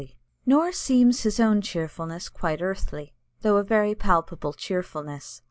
Nor seems his own cheerfulness quite earthly though a very palpable cheerfulness.